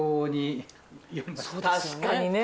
確かにね。